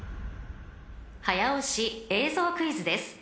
［早押し映像クイズです］